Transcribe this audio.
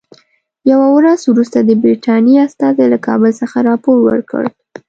یوه ورځ وروسته د برټانیې استازي له کابل څخه راپور ورکړ.